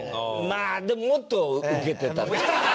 まあでももっとウケてた。